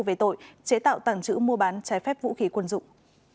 về tội chế tạo tẳng chữ mua bán trái phép vũ khí quân dụng